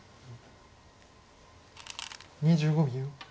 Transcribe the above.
２５秒。